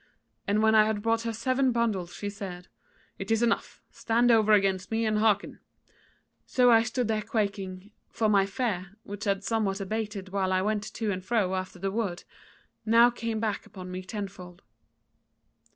And when I had brought her seven bundles, she said: 'It is enough: stand over against me and hearken.' So I stood there quaking; for my fear, which had somewhat abated while I went to and fro after the wood, now came back upon me tenfold.